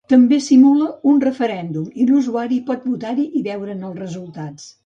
També simula un referèndum i l'usuari pot votar-hi i veure'n els resultats.